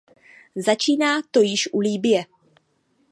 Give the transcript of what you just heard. Začíná to již u Libye.